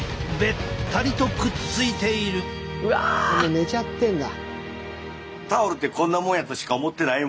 寝ちゃってんだ。